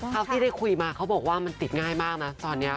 เท่าที่ได้คุยมาเขาบอกว่ามันติดง่ายมากนะตอนนี้